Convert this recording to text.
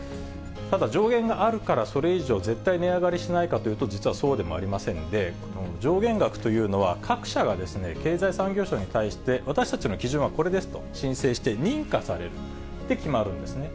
ただ上限があるからそれ以上絶対値上がりしないかというと、実はそうでもありませんで、上限額というのは、各社が経済産業省に対して、私たちの基準はこれですと申請して、認可されて決まるんですね。